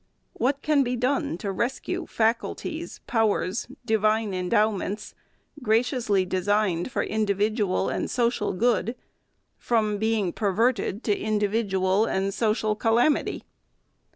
What can be done to rescue faculties, powers, divine endowments, graciously designed for indi vidual and social good, from being perverted to individual and social calamity